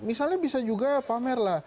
misalnya bisa juga pamer